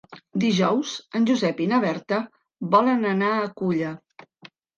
Dijous en Josep i na Berta volen anar a Culla.